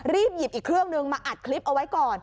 หยิบอีกเครื่องนึงมาอัดคลิปเอาไว้ก่อน